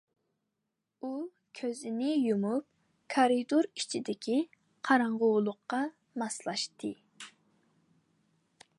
ئۇ كۆزىنى يۇمۇپ كارىدۇر ئىچىدىكى قاراڭغۇلۇققا ماسلاشتى.